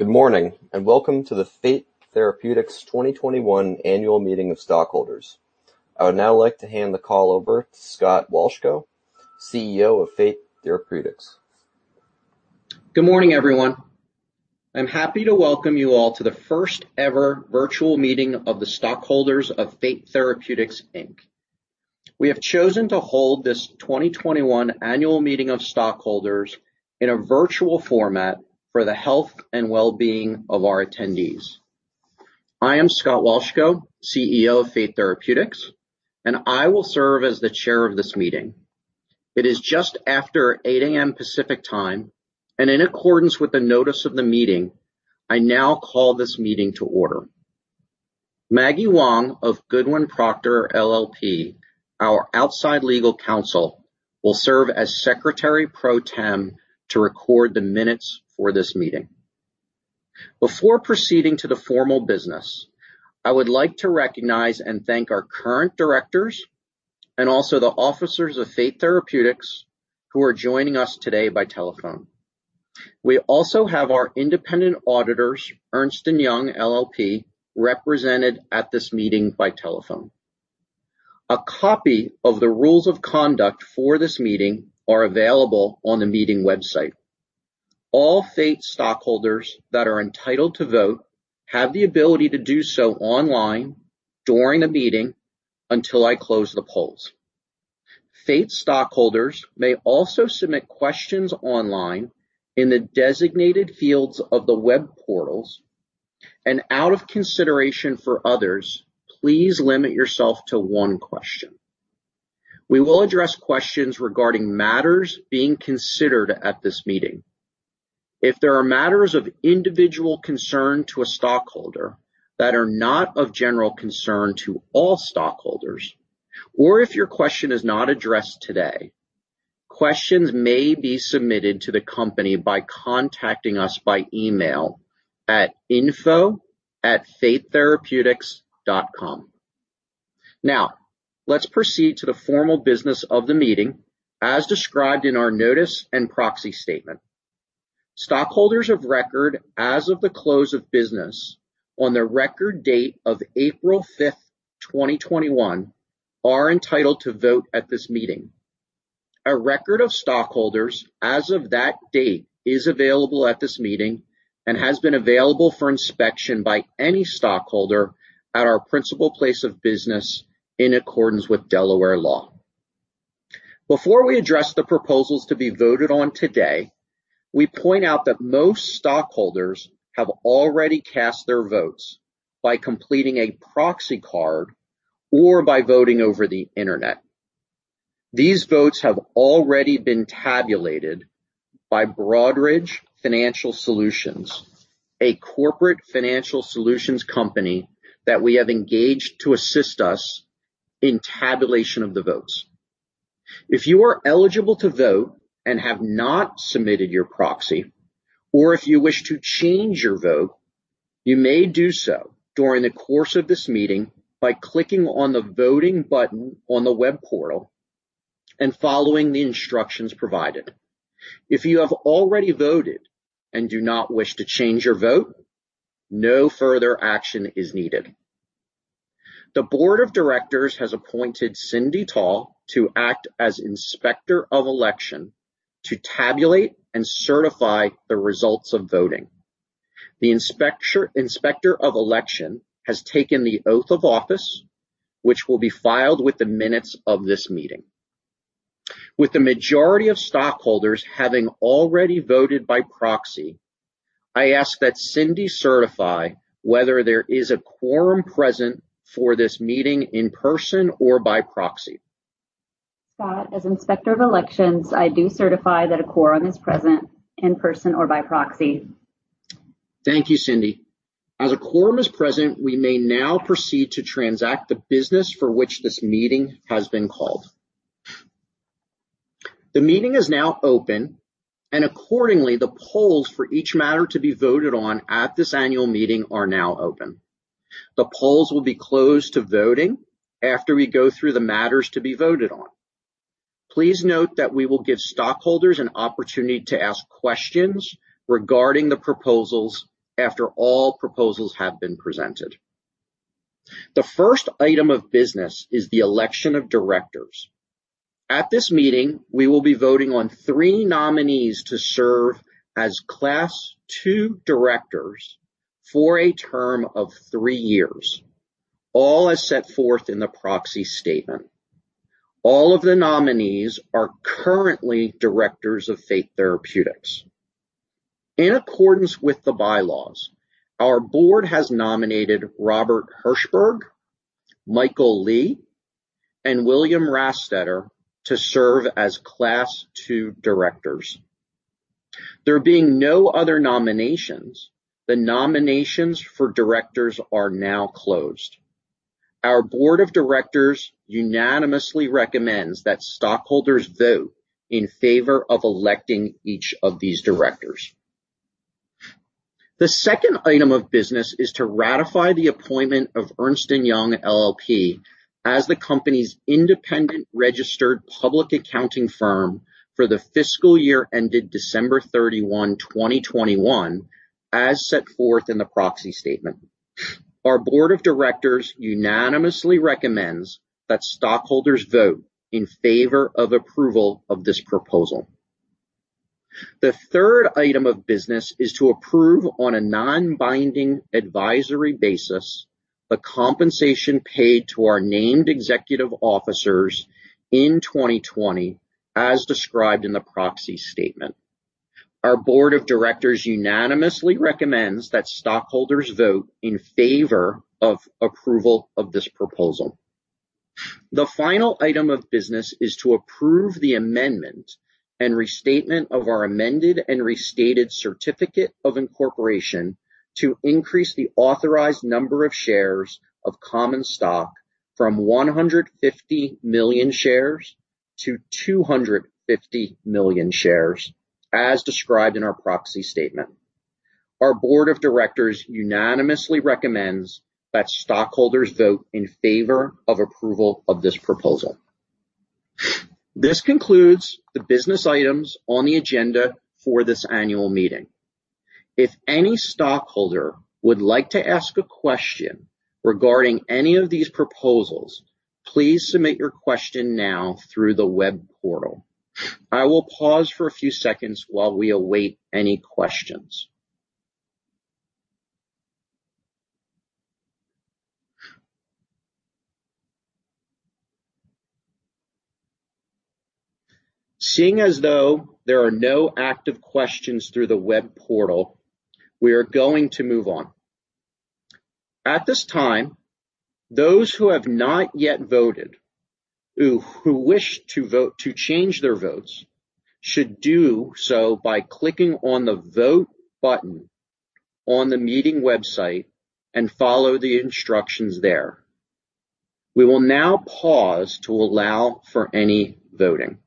Good morning, and welcome to the Fate Therapeutics 2021 Annual Meeting of Stockholders. I would now like to hand the call over to Scott Wolchko, CEO of Fate Therapeutics. Good morning, everyone. I'm happy to welcome you all to the first ever virtual meeting of the stockholders of Fate Therapeutics, Inc. We have chosen to hold this 2021 annual meeting of stockholders in a virtual format for the health and wellbeing of our attendees. I am Scott Wolchko, CEO of Fate Therapeutics, and I will serve as the chair of this meeting. It is just after 8:00 A.M. Pacific Time, and in accordance with the notice of the meeting, I now call this meeting to order. Maggie Wong of Goodwin Procter LLP, our outside legal counsel, will serve as Secretary pro tempore to record the minutes for this meeting. Before proceeding to the formal business, I would like to recognize and thank our current directors and also the officers of Fate Therapeutics who are joining us today by telephone. We also have our independent auditors, Ernst & Young LLP, represented at this meeting by telephone. A copy of the rules of conduct for this meeting are available on the meeting website. All Fate stockholders that are entitled to vote have the ability to do so online during the meeting until I close the polls. Fate stockholders may also submit questions online in the designated fields of the web portals, and out of consideration for others, please limit yourself to one question. We will address questions regarding matters being considered at this meeting. If there are matters of individual concern to a stockholder that are not of general concern to all stockholders, or if your question is not addressed today, questions may be submitted to the company by contacting us by email at info@fatetherapeutics.com. Now, let's proceed to the formal business of the meeting as described in our notice and proxy statement. Stockholders of record as of the close of business on the record date of April 5th, 2021, are entitled to vote at this meeting. A record of stockholders as of that date is available at this meeting and has been available for inspection by any stockholder at our principal place of business in accordance with Delaware law. Before we address the proposals to be voted on today, we point out that most stockholders have already cast their votes by completing a proxy card or by voting over the internet. These votes have already been tabulated by Broadridge Financial Solutions, a corporate financial solutions company that we have engaged to assist us in tabulation of the votes. If you are eligible to vote and have not submitted your proxy, or if you wish to change your vote, you may do so during the course of this meeting by clicking on the voting button on the web portal and following the instructions provided. If you have already voted and do not wish to change your vote, no further action is needed. The board of directors has appointed Cindy Tahl to act as Inspector of Election to tabulate and certify the results of voting. The Inspector of Election has taken the oath of office, which will be filed with the minutes of this meeting. With the majority of stockholders having already voted by proxy, I ask that Cindy certify whether there is a quorum present for this meeting in person or by proxy. Scott, as Inspector of Election, I do certify that a quorum is present in person or by proxy. Thank you, Cindy. As a quorum is present, we may now proceed to transact the business for which this meeting has been called. The meeting is now open, and accordingly, the polls for each matter to be voted on at this annual meeting are now open. The polls will be closed to voting after we go through the matters to be voted on. Please note that we will give stockholders an opportunity to ask questions regarding the proposals after all proposals have been presented. The first item of business is the election of directors. At this meeting, we will be voting on three nominees to serve as Class II directors for a term of three years, all as set forth in the proxy statement. All of the nominees are currently directors of Fate Therapeutics. In accordance with the bylaws, our board has nominated Robert Hershberg, Michael Lee, and William Rastetter to serve as Class II directors. There being no other nominations, the nominations for directors are now closed. Our board of directors unanimously recommends that stockholders vote in favor of electing each of these directors. The second item of business is to ratify the appointment of Ernst & Young LLP as the company's independent registered public accounting firm for the fiscal year ended December 31st, 2021, as set forth in the proxy statement. Our board of directors unanimously recommends that stockholders vote in favor of approval of this proposal. The third item of business is to approve on a non-binding advisory basis the compensation paid to our named executive officers in 2020, as described in the proxy statement. Our board of directors unanimously recommends that stockholders vote in favor of approval of this proposal. The final item of business is to approve the amendment and restatement of our amended and restated certificate of incorporation to increase the authorized number of shares of common stock from 150 million shares to 250 million shares, as described in our proxy statement. Our board of directors unanimously recommends that stockholders vote in favor of approval of this proposal. This concludes the business items on the agenda for this annual meeting. If any stockholder would like to ask a question regarding any of these proposals, please submit your question now through the web portal. I will pause for a few seconds while we await any questions. Seeing as though there are no active questions through the web portal, we are going to move on. At this time, those who have not yet voted, who wish to change their votes, should do so by clicking on the Vote button on the meeting website and follow the instructions there. We will now pause to allow for any voting.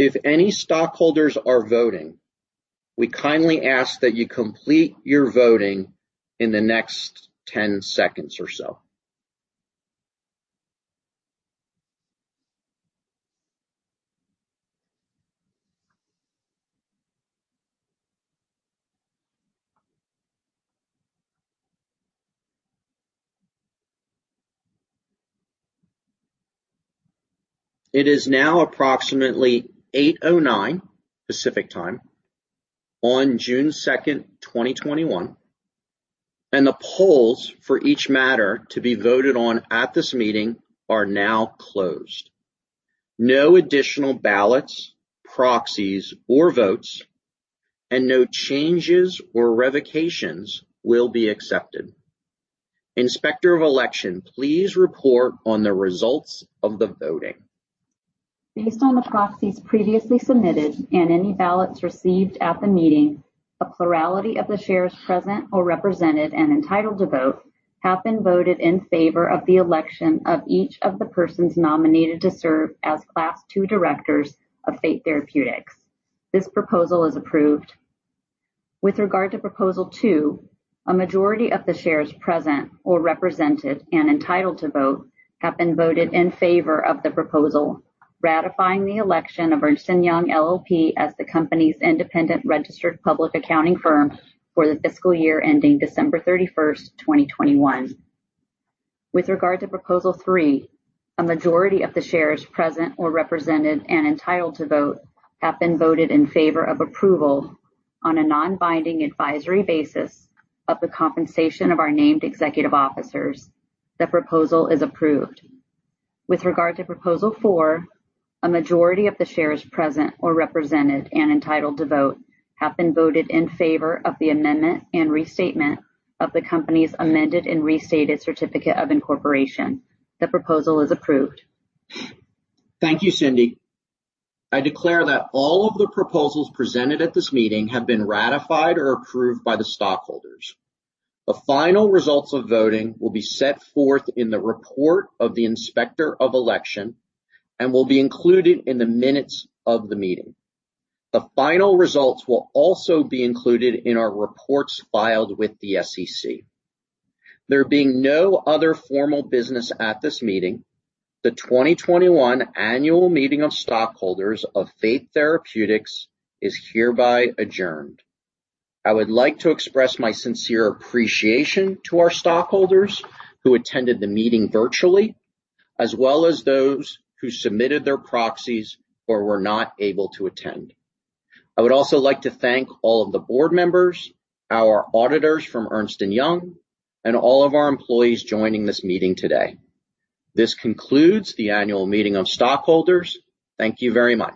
If any stockholders are voting, we kindly ask that you complete your voting in the next 10 seconds or so. It is now approximately 8:09 A.M. Pacific Time on June 2nd, 2021, and the polls for each matter to be voted on at this meeting are now closed. No additional ballots, proxies, or votes, and no changes or revocations will be accepted. Inspector of Election, please report on the results of the voting. Based on the proxies previously submitted and any ballots received at the meeting, a plurality of the shares present or represented and entitled to vote have been voted in favor of the election of each of the persons nominated to serve as Class II directors of Fate Therapeutics. This proposal is approved. With regard to Proposal 2, a majority of the shares present or represented and entitled to vote have been voted in favor of the proposal, ratifying the election of Ernst & Young LLP as the company's independent registered public accounting firm for the fiscal year ending December 31st, 2021. With regard to Proposal 3, a majority of the shares present or represented and entitled to vote have been voted in favor of approval on a non-binding advisory basis of the compensation of our named executive officers. The proposal is approved. With regard to Proposal 4, a majority of the shares present or represented and entitled to vote have been voted in favor of the amendment and restatement of the company's amended and restated certificate of incorporation. The proposal is approved. Thank you, Cindy. I declare that all of the proposals presented at this meeting have been ratified or approved by the stockholders. The final results of voting will be set forth in the report of the Inspector of Election and will be included in the minutes of the meeting. The final results will also be included in our reports filed with the SEC. There being no other formal business at this meeting, the 2021 annual meeting of stockholders of Fate Therapeutics is hereby adjourned. I would like to express my sincere appreciation to our stockholders who attended the meeting virtually, as well as those who submitted their proxies or were not able to attend. I would also like to thank all of the board members, our auditors from Ernst & Young, and all of our employees joining this meeting today. This concludes the annual meeting of stockholders. Thank you very much.